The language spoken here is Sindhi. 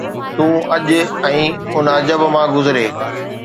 تون اچ ۽ ان عجب مان گذري